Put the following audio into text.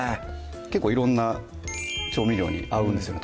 結構色んな調味料に合うんですよね